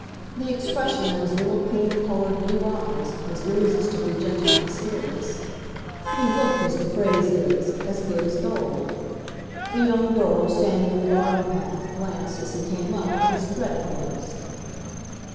The expression of his little clean colored blue eyes was irresistibly gentle and serious; he looked, as the phrase is, as good as gold. The young girl, standing in the garden path, glanced, as he came up, at his thread gloves.